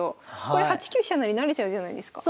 これ８九飛車成成れちゃうじゃないですか。